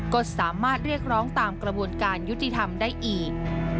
ก็สามารถเรียกร้องตามกระบวนการยุติธรรมได้อีก